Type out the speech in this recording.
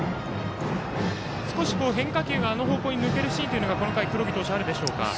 少し変化球があの位置に抜けるシーンがこの回、黒木投手あるでしょうか。